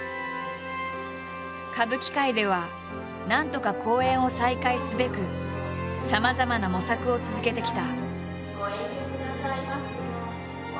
歌舞伎界ではなんとか公演を再開すべくさまざまな模索を続けてきた。